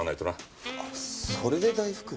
それで大福？